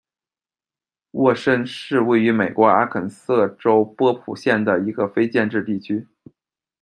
沃申是位于美国阿肯色州波普县的一个非建制地区。